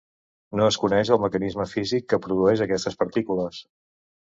No es coneix el mecanisme físic que produïx aquestes partícules.